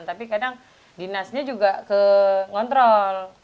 tapi kadang dinasnya juga kekontrol